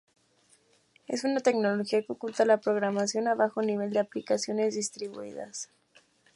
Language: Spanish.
Es una tecnología que oculta la programación a bajo nivel de aplicaciones distribuidas.